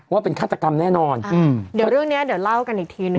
ว่าเป็นฆาตกรรมแน่นอนอืมเดี๋ยวเรื่องเนี้ยเดี๋ยวเล่ากันอีกทีหนึ่ง